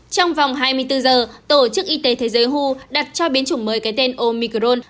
trong vòng hai mươi bốn giờ tổ chức y tế thế giới hu đặt cho biến chủng mới cái tên omicron